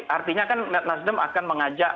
artinya kan nasdem akan mengajak